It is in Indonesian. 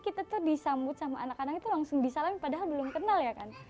kita tuh disambut sama anak anak itu langsung disalam padahal belum kenal ya kan